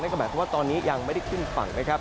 ก็หมายความว่าตอนนี้ยังไม่ได้ขึ้นฝั่งนะครับ